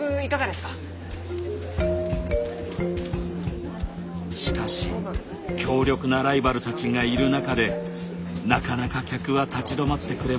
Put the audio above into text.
しかし強力なライバルたちがいる中でなかなか客は立ち止まってくれません。